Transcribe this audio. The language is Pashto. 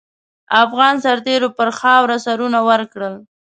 افغان سرتېرو پر خاوره سرونه ورکړل.